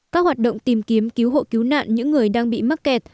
các hoạt động tìm kiếm cứu hộ cứu nạn những người đang bị mắc kẹt